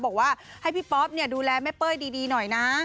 บอกว่าให้พี่ป๊อปดูแลแม่เป้ยดีหน่อยนะ